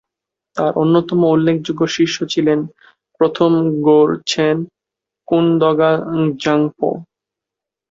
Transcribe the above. তার অন্যতম উল্লেখযোগ্য শিষ্য ছিলেন প্রথম ঙ্গোর-ছেন কুন-দ্গা'-ব্জাং-পো।